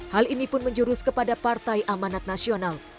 hal ini pun menjurus kepada partai amanat nasional